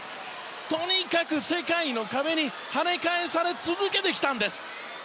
とにかく世界の壁にはね返され続けてきたんです。